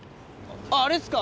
あれですか？